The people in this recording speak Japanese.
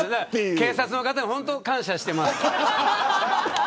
警察の方には本当に感謝しています。